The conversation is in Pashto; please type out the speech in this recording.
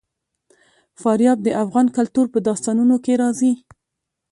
فاریاب د افغان کلتور په داستانونو کې راځي.